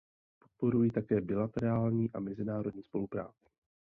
Podporují také bilaterální a mezinárodní spolupráci.